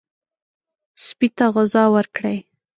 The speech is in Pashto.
سپي ته غذا ورکړئ.